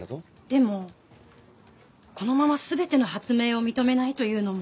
でもこのまま全ての発明を認めないというのも。